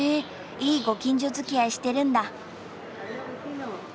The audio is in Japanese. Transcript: いいご近所づきあいしてるんだ。